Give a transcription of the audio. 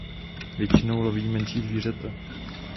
Většinou loví menší zvířata.